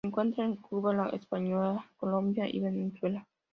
Se encuentra en Cuba, La Española, Colombia y Venezuela.